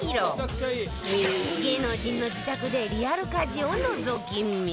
芸能人の自宅でリアル家事をのぞき見